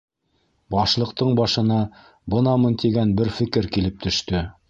Башлыҡтың башына бынамын тигән бер фекер килеп төштө: